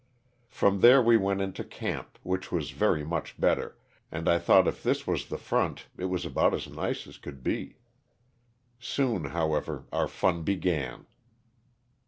From there we went into camp, which was very much better, and I thought if this was the front it was about as nice as could be. Soon, however, our fun began.